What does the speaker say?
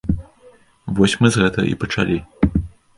Вось мы з гэтага і пачалі.